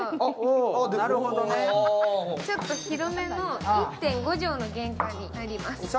ちょっと広めの１．５畳の玄関になります。